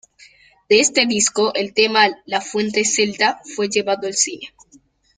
De este disco el tema "La fuente Celta" fue llevado al cine.